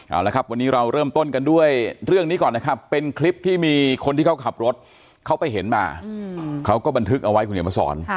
เอาละครับวันนี้เราเริ่มต้นกันด้วยเรื่องนี้ก่อนนะครับเป็นคลิปที่มีคนที่เขาขับรถเขาไปเห็นมาเขาก็บันทึกเอาไว้คุณเหนียวมาสอน